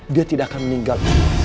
dia tidak akan meninggal